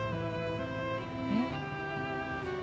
えっ？